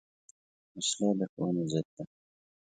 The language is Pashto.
وسله د ښوونې ضد ده